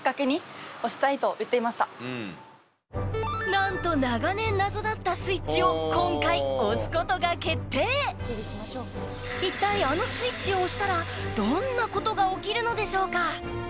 なんと長年謎だったスイッチを一体あのスイッチを押したらどんなことが起きるのでしょうか？